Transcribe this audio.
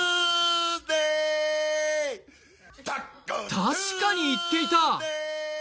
確かに言っていた！